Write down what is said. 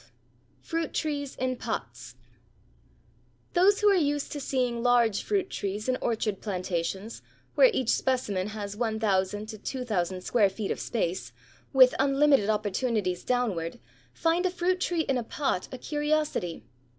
XII FRUIT TREES IN POTS Those who are used to seeing large fruit trees in orchard plantations where each specimen has 1,000 to 2,000 square feet of space, with unlimited opportunities downward, find a fruit tree in a pot a curiosity.